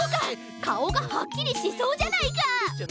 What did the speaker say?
かおがはっきりしそうじゃないか！